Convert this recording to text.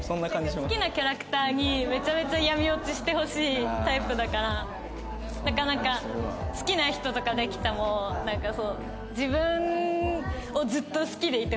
好きなキャラクターにめちゃめちゃ闇落ちしてほしいタイプだからなかなか好きな人とかできてもなんか自分をずっと好きでいてほしい。